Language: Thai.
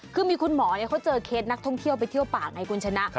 คือมีคุณหมอเขาเจอเคสนักท่องเที่ยวไปเที่ยวป่าไงคุณชนะ